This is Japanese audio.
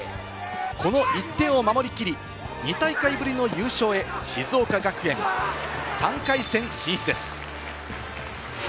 この１点を守りきり、２大会ぶりの優勝へ、静岡学園、３回戦進出です。